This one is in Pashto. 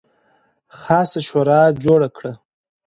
خاصه شورا جوړه کړه.